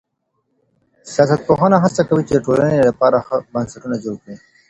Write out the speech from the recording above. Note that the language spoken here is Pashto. سياستپوهنه هڅه کوي چي د ټولني لپاره ښه بنسټونه جوړ کړي.